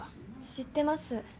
知ってます。